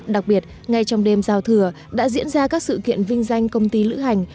đặc biệt ngay trong đêm giao thừa đã diễn ra các sự kiện vinh danh công ty lữ hành